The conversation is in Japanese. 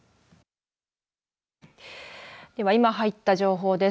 では今、入った情報です。